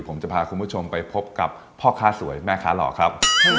ผมจะพาคุณผู้ชมไปพบกับพ่อค้าสวยแม่ค้าหล่อครับ